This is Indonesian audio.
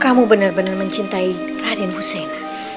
kamu benar benar mencintai raden husein